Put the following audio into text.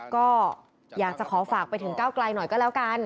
ก็อยากจะขอฝากไปถึงก้าวไกลหน่อยก็แล้วกัน